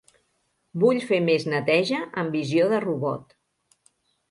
Vull fer més neteja amb visió de robot.